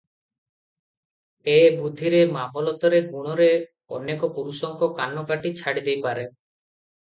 ଏ ବୁଦ୍ଧିରେ, ମାମଲତରେ ଗୁଣରେ ଅନେକ ପୁରୁଷଙ୍କ କାନ କାଟି ଛାଡ଼ିଦେଇପାରେ ।